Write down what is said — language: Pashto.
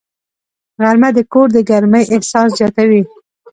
غرمه د کور د ګرمۍ احساس زیاتوي